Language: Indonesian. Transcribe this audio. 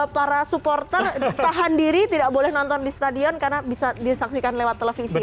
para supporter tahan diri tidak boleh nonton di stadion karena bisa disaksikan lewat televisi